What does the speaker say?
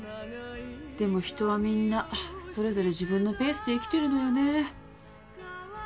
でも人はみんなそれぞれ自分のペースで生きてるのよね。